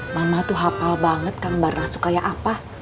mama tuh hapal banget kan bar rasu kayak apa